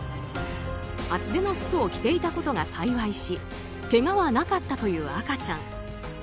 厚手の服を着ていたことが幸いしけがはなかったという赤ちゃん。